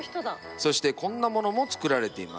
そしてこんなものも作られています。